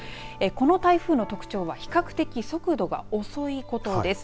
この台風の特徴は比較的速度が遅いことです。